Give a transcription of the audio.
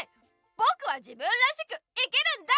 ぼくは自分らしく生きるんだ！